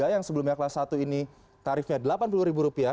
yang sebelumnya kelas satu ini tarifnya delapan puluh ribu rupiah